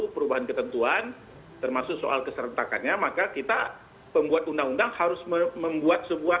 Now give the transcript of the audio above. perubahan ketentuan termasuk soal keserentakannya maka kita pembuat undang undang harus membuat sebuah